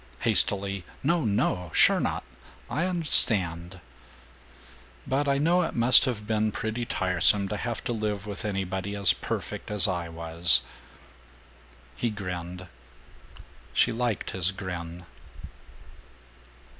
Hastily, "No, no! Sure not. I und'stand." "But I know it must have been pretty tiresome to have to live with anybody as perfect as I was." He grinned. She liked his grin.